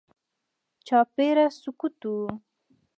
چاپېره سکوت و.